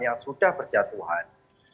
yang sudah berjatuhan